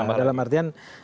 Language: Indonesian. masih akan berubah